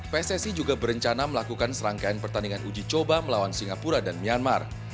pssi juga berencana melakukan serangkaian pertandingan uji coba melawan singapura dan myanmar